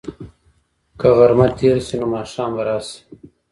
که غرمه تېره شي، نو ماښام به راشي.